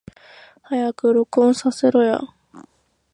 早く録音させろや